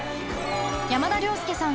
山田涼介さん